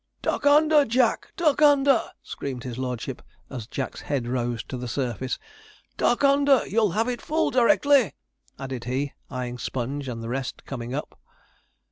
'Duck under, Jack! duck under!' screamed his lordship, as Jack's head rose to the surface. 'Duck under! you'll have it full directly!' added he, eyeing Sponge and the rest coming up.